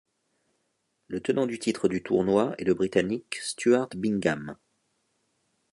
Le tenant du titre du tournoi est le Britannique Stuart Bingham.